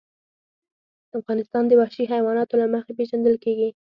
افغانستان د وحشي حیواناتو له مخې پېژندل کېږي.